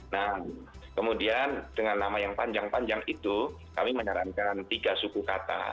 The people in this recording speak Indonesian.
nah kemudian dengan nama yang panjang panjang itu kami menyarankan tiga suku kata